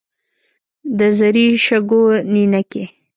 د زري شګو نینکې.